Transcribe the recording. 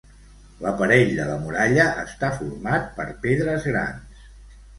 L'aparell de la muralla està format per pedres grans.